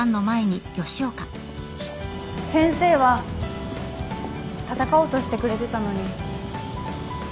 先生は戦おうとしてくれてたのにごめんなさい。